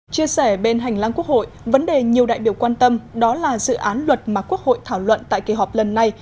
chia sẻ bên hành lang quốc hội vấn đề nhiều đại biểu quan tâm đó là dự án luật mà quốc hội thảo luận tại kỳ họp lần này